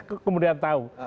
kita kemudian tahu